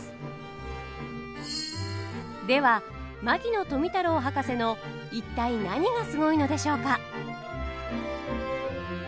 では牧野富太郎博士の一体何がすごいのでしょうか？